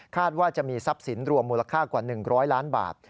ว่าจะมีทรัพย์สินรวมมูลค่ากว่า๑๐๐ล้านบาท